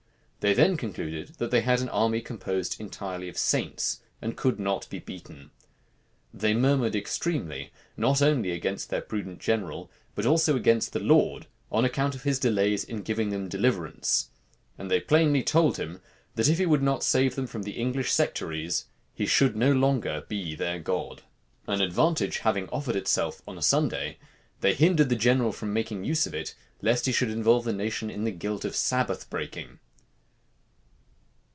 [*] They then concluded that they had an army composed entirely of saints, and could not be beaten. They murmured extremely, not only against their prudent general, but also against the Lord, on account of his delays in giving them deliverance;[] and they plainly told him, that if he would not save them from the English sectaries, he should no longer be their God.[] * Sir Edw. Walker, p. 165. Sir Edw. Walker p. 168. Whitlocke, p. 449. An advantage having offered itself on a Sunday, they hindered the general from making use of it, lest he should involve the nation in the guilt of Sabbath breaking.